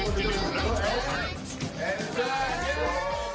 let's go hunting dudududu let's go hunting dudududu let's go hunting dudududu